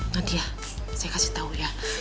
nanti ya saya kasih tau ya